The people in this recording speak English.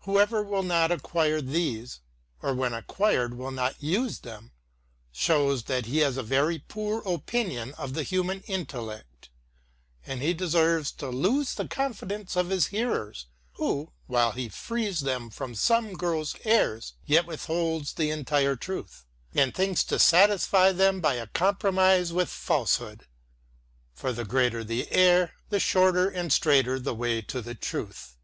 Whoever will not acquire these, or when acquired will not use them, shows that he has a very poor opinion of the human intellect; and he deserves to lose the confidence of his hearers, who, while he frees them from some gross errors, yet withholds the entire truth, and thinks to satisfy them by a compromise with falsehood. For the greater the error, the shorter and straighter the way to the truth.